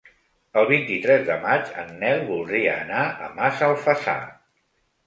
El vint-i-tres de maig en Nel voldria anar a Massalfassar.